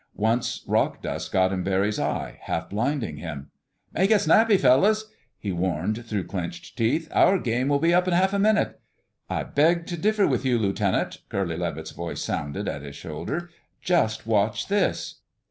Once rock dust got in Barry's eye, half blinding him. "Make it snappy, fellows!" he warned through clenched teeth. "Our game will be up in half a minute." "I beg to differ with you, Lieutenant," Curly Levitt's voice sounded at his shoulder. "Just watch this!"